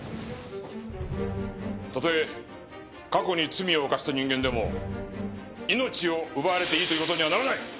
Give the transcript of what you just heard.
たとえ過去に罪を犯した人間でも命を奪われていいという事にはならない。